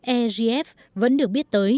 egf vẫn được biết tới